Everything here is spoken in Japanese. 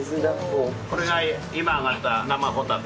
これが今揚がった生ホタテ。